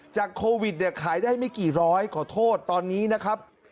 โควิดเนี่ยขายได้ไม่กี่ร้อยขอโทษตอนนี้นะครับ